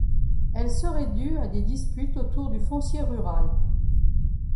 Elle serait due à des disputes autour du foncier rural.